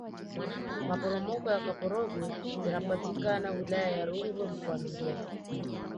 maporomoko ya kaporogwe yanapatikana wilaya ya rungwe mkoani mbeya